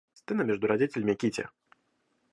Сцена между родителями Кити.